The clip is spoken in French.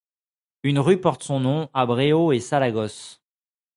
Une rue porte son nom à Bréau-et-Salagosse.